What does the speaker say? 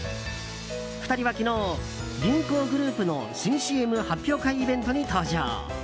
２人は昨日、銀行グループの新ＣＭ発表会イベントに登場。